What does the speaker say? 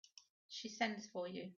She sends for you.